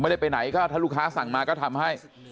ไม่ได้ไปไหนก็ถ้าลูกค้าสั่งมาก็ทำให้